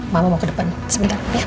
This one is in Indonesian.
mama mau ke depan sebentar ya